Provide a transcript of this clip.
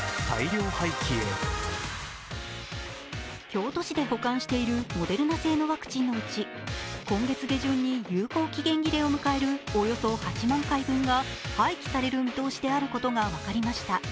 京都市で保管しているモデルナ製のワクチンのうち今月下旬に有効期限切れを迎えるおよそ８万回分が廃棄される見通しであることが分かりました。